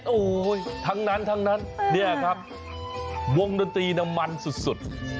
โอ้โฮทั้งนั้นเนี่ยครับวงดนตรีน้ำมันสุด